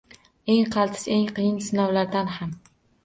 Eng qaltis, eng qiyin sinovlarda ham